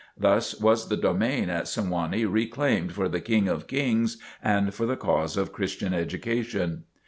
Thus was the domain at Sewanee reclaimed for the King of Kings and for the cause of Christian education.